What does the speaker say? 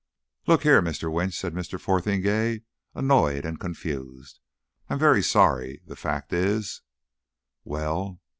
"Look here, Mr. Winch," said Mr. Fotheringay, annoyed and confused, "I'm very sorry. The fact is " "Well?"